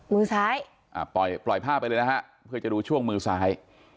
มือซ้ายปล่อยภาพไปเลยนะฮะเพื่อจะดูช่วงมือซ้าย